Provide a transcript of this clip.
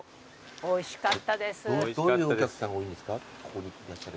おいしかったです。